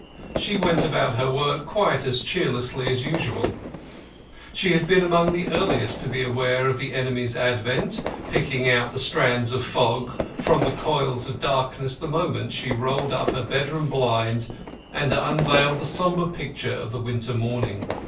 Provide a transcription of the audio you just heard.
She went about her work quite as cheerlessly as usual. She had been among the earliest to be aware of the enemy's advent, picking out the strands of fog from the coils of darkness the moment she rolled up her bedroom blind and unveiled the sombre picture of the winter morning.